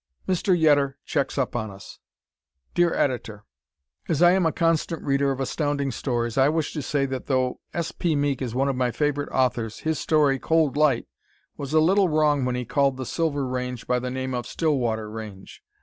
Mr. Yetter Checks Up on Us Dear Editor: As I am a constant reader of Astounding Stories I wish to say that though S. P. Meek is one of my favorite authors his story, "Cold Light," was a little wrong when he called the "Silver Range" by the name of "Stillwater Range."